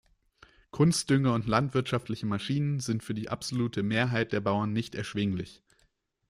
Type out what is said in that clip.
Kunstdünger und landwirtschaftliche Maschinen sind für die absolute Mehrheit der Bauern nicht erschwinglich.